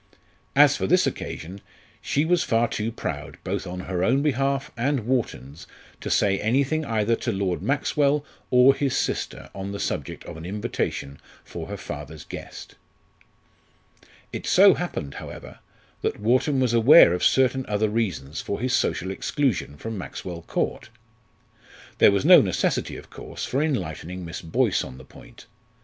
As for this occasion, she was far too proud both on her own behalf and Wharton's to say anything either to Lord Maxwell or his sister on the subject of an invitation for her father's guest. It so happened, however, that Wharton was aware of certain other reasons for his social exclusion from Maxwell Court. There was no necessity, of course, for enlightening Miss Boyce on the point.